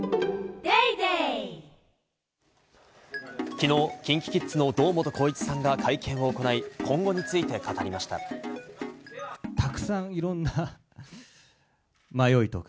昨日、ＫｉｎＫｉＫｉｄｓの堂本光一さんが会見を行い、今後について語りました。